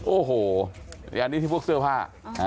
โอ้โหอันนี้ที่พวกเสื้อผ้า